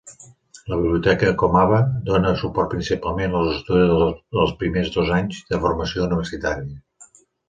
La Biblioteca Komaba dona suport principalment als estudis dels primers dos anys de formació universitària.